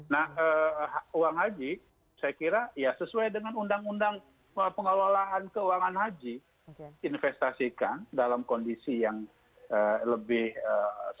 nah uang haji saya kira ya sesuai dengan undang undang pengelolaan keuangan haji investasikan dalam kondisi yang lebih baik